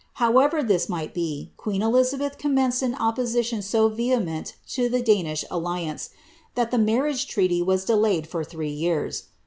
However this might be, queen Elizabeth comAenced an opposition so vehement to the Danish alliance, that the marriage treaty was delayed for three years.